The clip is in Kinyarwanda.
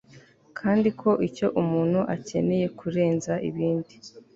kandi ko icyo umuntu akeneye kurenza ibindi